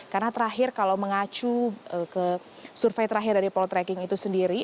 karena terakhir kalau mengacu ke survei terakhir dari polo tracking itu sendiri